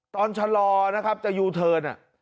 ตอนชะลอจะยูเทินน่ะ